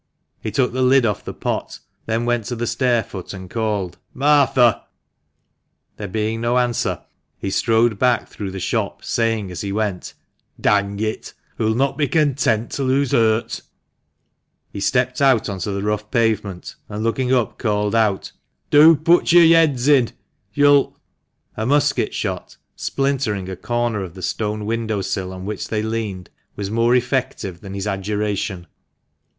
He took the lid off the pot; then went to the stair foot, and called "Martha!" There being no answer, he strode back through the shop, saying as he went —" Dang it, hoo'll not be content till hoo's hurt !" He stepped out on the rough pavement, and, looking up, called out —" Do put yo'r yeads in ; yo'll " A musket shot, splintering a corner of the stone window sill on which they leaned, was more effective than his adjuration.